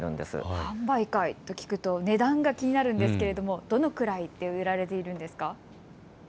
販売会と聞くと値段が気になるんですが、どのぐらいで売られているんですか。